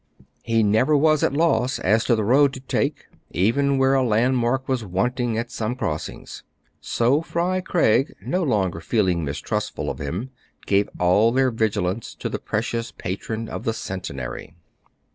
He never was at a loss as to the road to take, even where a landmark was wanting at some crossings. So Fry Craig, no longer feeling mistrustful of him, gave all their vigilance to the precious patron of the Centenary.